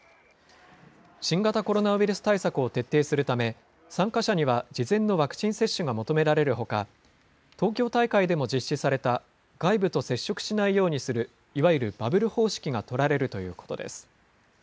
新型コロナウイルス対策を徹底するため、参加者には事前のワクチン接種が求められるほか、東京大会でも実施された外部と接触しないようにする、いわゆるバブル方式が取られるということです。